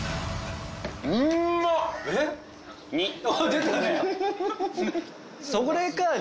出たね！